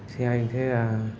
xin anh thế là